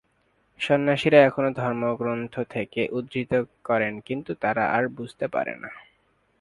সন্ন্যাসীরা এখনও ধর্মগ্রন্থ থেকে উদ্ধৃত করেন কিন্তু তারা আর বুঝতে পারে না।